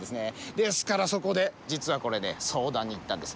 ですからそこで実はこれ相談に行ったんです。